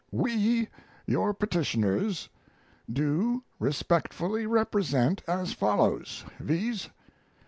We, your petitioners, do respectfully represent as follows, viz.